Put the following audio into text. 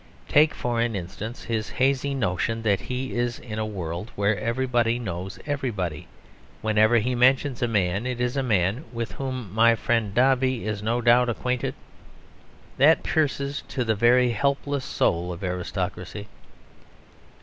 Take, for an instance, his hazy notion that he is in a world where everybody knows everybody; whenever he mentions a man, it is a man "with whom my friend Dombey is no doubt acquainted." That pierces to the very helpless soul of aristocracy.